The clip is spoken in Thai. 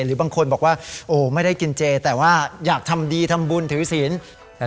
หรือบางคนบอกว่าโอ้ไม่ได้กินเจแต่ว่าอยากทำดีทำบุญถือศีล